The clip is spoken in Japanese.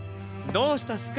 どうしたっすか？